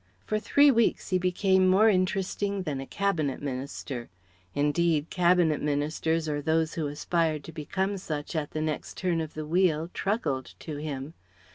For three weeks he became more interesting than a Cabinet Minister. Indeed Cabinet Ministers or those who aspired to become such at the next turn of the wheel truckled to him.